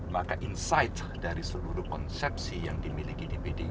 maka insight dari seluruh konsepsi yang dimiliki di pdip